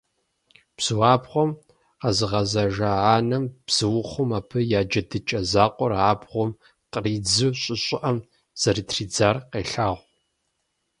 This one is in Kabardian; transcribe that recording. Бзуабгъуэм къэзыгъэзэжа анэм, бзуухъум абы я джэдыкӀэ закъуэр абгъуэм къридзу щӀы щӀыӀэм зэрытридзар къелъагъу.